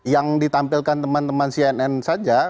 yang ditampilkan teman teman cnn saja